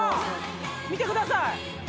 見てください。